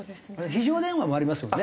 非常電話もありますもんね。